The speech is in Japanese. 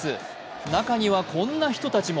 中にはこんな人たちも。